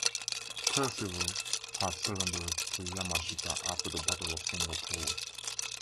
Percival had surrendered to Yamashita after the Battle of Singapore.